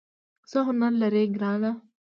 څه هنر لرې ګرانه ؟